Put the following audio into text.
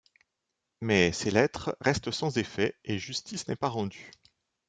Mais ces lettres restent sans effet et justice n'est pas rendue.